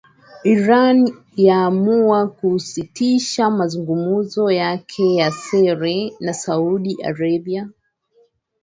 Iran yaamua kusitisha mazungumzo yake ya siri na Saudi Arabia.